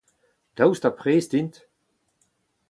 Daoust ha prest int ?